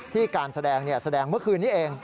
การแสดงแสดงเมื่อคืนนี้เอง